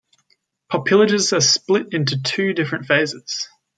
Pupillages are split into two different phases.